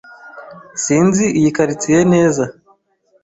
Sinzi iyi quartiers neza.